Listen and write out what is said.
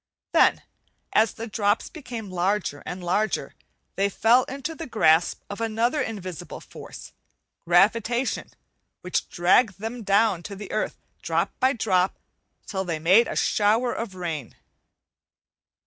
Then as the drops became larger and larger they fell into the grasp of another invisible force, gravitation, which dragged them down to the earth, drop by drop, till they made a shower of rain.